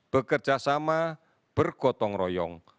bekerja sama bergotong royong